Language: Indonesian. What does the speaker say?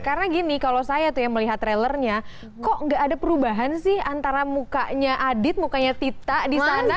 karena gini kalau saya tuh yang melihat trailernya kok gak ada perubahan sih antara mukanya adit mukanya tita di sana